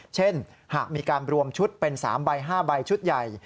เช่นหากมีการรวมชุดเป็น๓ใบ๕ใบชุดใหญ่